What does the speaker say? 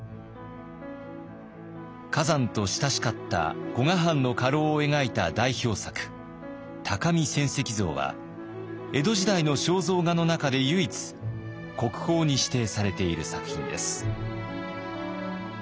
崋山と親しかった古河藩の家老を描いた代表作「鷹見泉石像」は江戸時代の肖像画の中で唯一国宝に指定されている作品です。